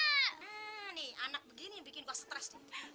hmm nih anak begini yang bikin gue stres nih